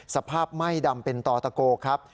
สภาพไหม้ดำเป็นต่อตะโกครับ